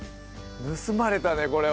盗まれたねこれは。